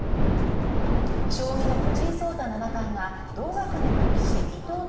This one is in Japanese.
将棋の藤井聡太七冠が同学年の棋士伊藤匠